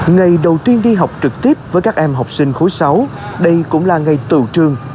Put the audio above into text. ngày đầu tiên đi học trực tiếp với các em học sinh khối sáu đây cũng là ngày tự trường